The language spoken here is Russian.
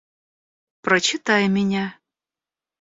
Прочитай меня.